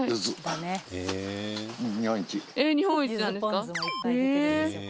日本一なんですかへぇ。